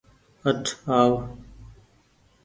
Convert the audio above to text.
اٺ آو